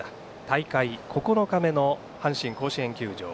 大会９日目の阪神甲子園球場。